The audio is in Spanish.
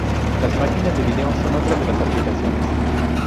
Las máquinas de vídeo son otra de las aplicaciones.